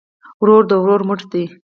ورور د ورور مټ دی